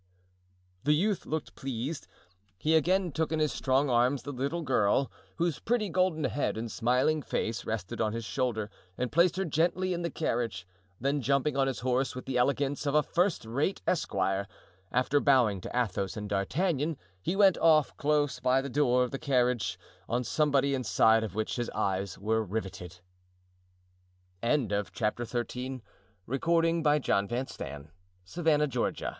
The youth looked pleased. He again took in his strong arms the little girl, whose pretty golden head and smiling face rested on his shoulder, and placed her gently in the carriage; then jumping on his horse with the elegance of a first rate esquire, after bowing to Athos and D'Artagnan, he went off close by the door of the carriage, on somebody inside of which his eyes were riveted. Chapter XIV. The Castle of Bragelonne. Whilst this scene was goi